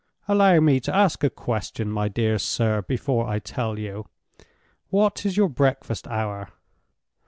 "Allow me to ask a question, my dear sir, before I tell you. What is your breakfast hour?"